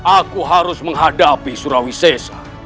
aku harus menghadapi surawisyaesan